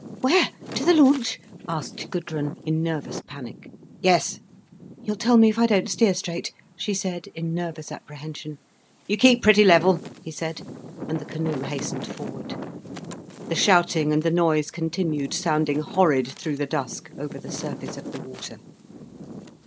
"Where, to the launch?" asked Gudrun, in nervous panic. "Yes." "You'll tell me if I don't steer straight," she said, in nervous apprehension. "You keep pretty level," he said, and the canoe hastened forward. The shouting and the noise continued, sounding horrid through the dusk, over the surface of the water.